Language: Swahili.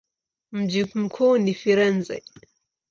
Mji mkuu ni Firenze.